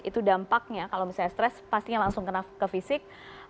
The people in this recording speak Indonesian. itu dampaknya kalau misalnya stres pastinya langsung kena ke fisik